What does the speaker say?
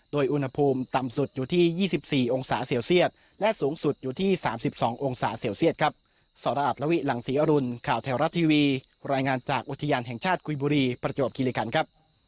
ขอบคุณคุณสอระอัดด้วยค่ะ